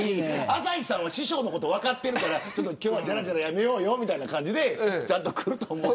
朝日さんは師匠のこと分かってるから今日はじゃらじゃら、やめようよみたいな感じでちゃんと来ると思う。